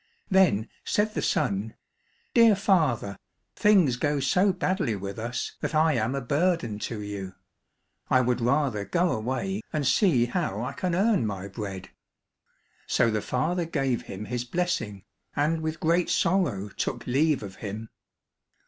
Then said the son, "Dear father, things go so badly with us that I am a burden to you. I would rather go away and see how I can earn my bread." So the father gave him his blessing, and with great sorrow took leave of him.